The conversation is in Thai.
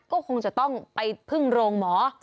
ก็คงจะต้องไปพึ่งโรงหมอ